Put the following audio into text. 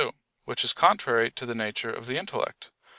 2); which is contrary to the nature of the intellect.